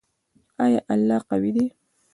آیا الله قوی دی؟